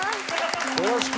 よろしく！